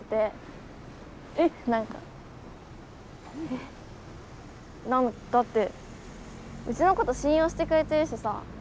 え⁉だってうちのこと信用してくれてるしさ。